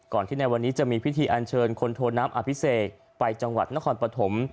ที่ในวันนี้จะมีพิธีอันเชิญคนโทน้ำอภิเษกไปจังหวัดนครปฐม